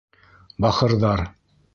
Бахырҙар!